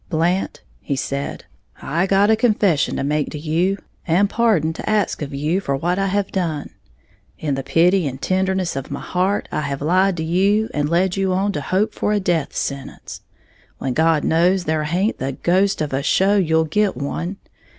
"Blant," he said, "I got a confession to make to you, and pardon to ax of you, for what I have done. In the pity and tenderness of my heart, I have lied to you, and led you on to hope for a death sentence, when God knows there haint the ghost of a show you'll git one.